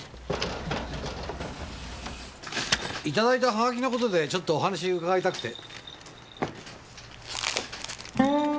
いただいた葉書の事でちょっとお話伺いたくて。